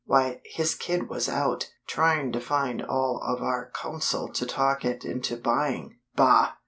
Why, his kid was out, trying to find all of our Council to talk it into buying. Bah!